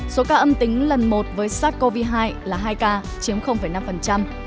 số ca âm tính lần một với sars cov hai là hai ca chiếm năm